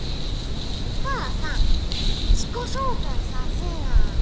お母さん自己紹介させな。